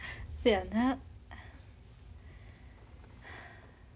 そやな。